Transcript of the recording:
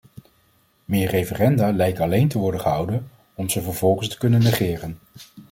Maar referenda lijken alleen te worden gehouden om ze vervolgens te kunnen negeren.